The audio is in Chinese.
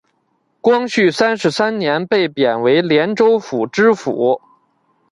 光绪三十三年被贬为廉州府知府。